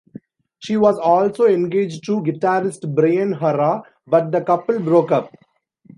She was also engaged to guitarist Brian Harrah, but the couple broke up.